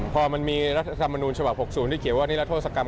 พอมันมีรัฐธรรมนูญฉบับ๖๐ที่เขียนว่านิรัทธศกรรม